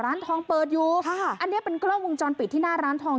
ร้านทองเปิดอยู่ค่ะอันนี้เป็นกล้องวงจรปิดที่หน้าร้านทอง